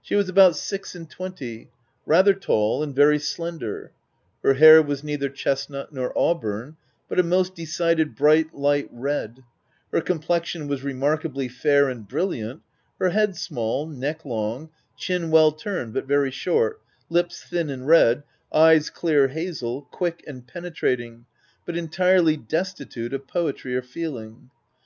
She was about six and twenty, rather tall and very slender, her hair was neither chesnut nor auburne, but a most decided, bright, light red, her complexion was remarkably fair and bril liant, her head small, neck long, chin well turned, but very short, lips thin and red, eyes clear hazel, quick and penetrating, but entirely destitute of poetry or feeling.